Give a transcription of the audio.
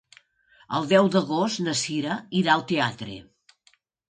El deu d'agost na Sira irà al teatre.